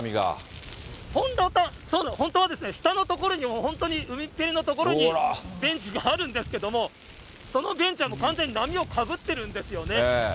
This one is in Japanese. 本当は、下の所に、本当に海っぺりの所にベンチがあるんですけども、そのベンチはもう完全に波をかぶってるんですよね。